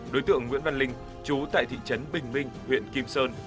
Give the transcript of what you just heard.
đối tượng nguyễn văn linh chú tại thị trấn bình minh huyện kim sơn